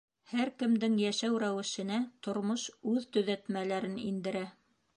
Һәр кемдең йәшәү рәүешенә тормош үҙ төҙәтмәләрен индерә.